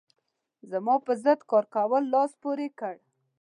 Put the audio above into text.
زما پر ضد کار کولو لاس پورې کړ.